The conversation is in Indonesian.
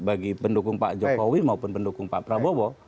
bagi pendukung pak jokowi maupun pendukung pak prabowo